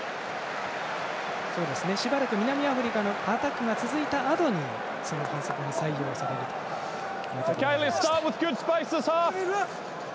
しばらく南アフリカのアタックが続いたあとにその反則が採用されるという形になります。